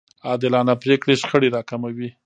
عادلانه پرېکړې شخړې راکموي.